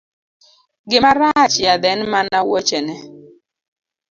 Gima rach yadhe en mana wuochene.